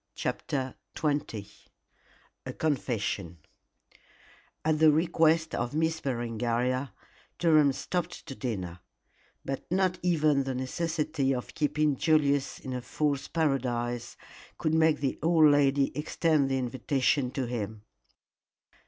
CHAPTER XX A CONFESSION At the request of Miss Berengaria, Durham stopped to dinner; but not even the necessity of keeping Julius in a fool's paradise could make the old lady extend the invitation to him.